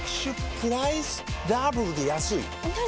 プライスダブルで安いＮｏ！